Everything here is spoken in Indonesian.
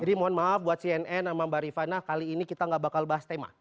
jadi mohon maaf buat cnn sama mbak rifana kali ini kita gak bakal bahas tema